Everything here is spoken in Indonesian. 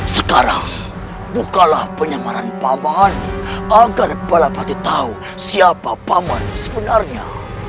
sekarang bukalah penyemaran paman agar kepala batu tahu siapa paman sebenarnya